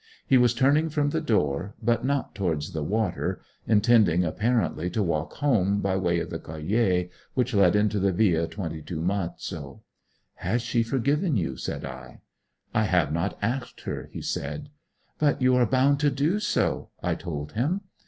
He was turning from the door, but not towards the water, intending apparently to walk home by way of the calle which led into the Via 22 Marzo. 'Has she forgiven you?' said I. 'I have not asked her,' he said. 'But you are bound to do so,' I told him.